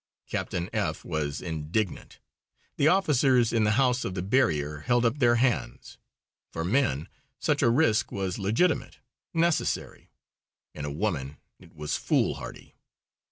Captain F was indignant. The officers in the House of the Barrier held up their hands. For men such a risk was legitimate, necessary. In a woman it was foolhardy.